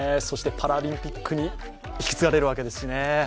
そしてパラリンピックに引き継がれるわけですしね